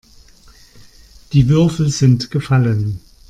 Die Würfel sind gefallen.